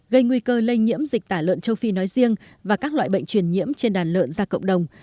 gây nguy cơ lây nhiễm dịch tả lợn châu phi nói riêng và các loại bệnh truyền nhiễm trên đàn lợn ra cộng đồng